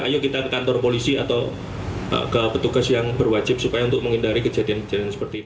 ayo kita ke kantor polisi atau ke petugas yang berwajib supaya untuk menghindari kejadian kejadian seperti ini